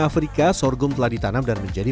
afrika sorghum telah ditanam dan menjadi